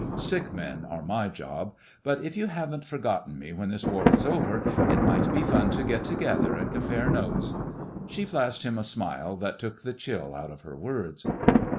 "Sick men are my job. But if you haven't forgotten me when this war is over, it might be fun to get together and compare notes." She flashed him a smile that took the chill out of her words.